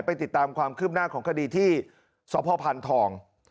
ติดตามความคืบหน้าของคดีที่สพพันธอง